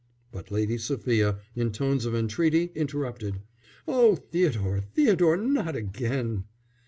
But Lady Sophia, in tones of entreaty, interrupted: "Oh, Theodore, Theodore, not again!"